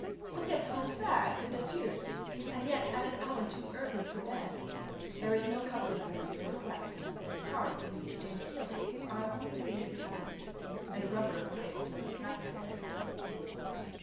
One gets home fagged and desouvre, and yet at an hour too early for bed. There is not comfortable resource left. Cards in these genteel days are among the things tabooed, and a rubber of whist is impracticable.